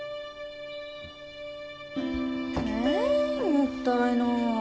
もったいない。